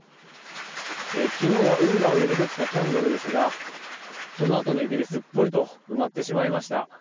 昨日は運河を彩ったキャンドルですがそのあとの雪ですっぽりと埋まってしまいました。